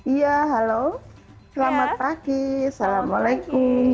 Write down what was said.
iya halo selamat pagi assalamualaikum